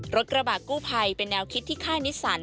รถกระบะกู้ภัยเป็นแนวคิดที่ค่ายนิสสัน